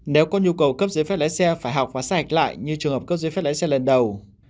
nếu có nhu cầu cấp giấy phép lái xe phải học và sát hạch lại như trường hợp cấp giấy phép lái xe lần đầu